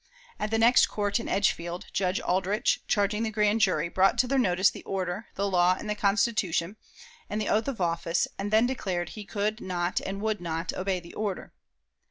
At the next court in Edgefield, Judge Aldrich, charging the grand jury, brought to their notice the order, the law and the Constitution, and the oath of office, and then declared "he could not and would not obey the order."